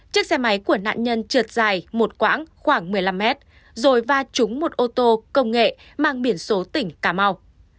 chiếc xe máy của nạn nhân trượt dài một quãng khoảng một mươi năm mét rồi va trúng một ô tô công nghệ mang biển số tỉnh cà mau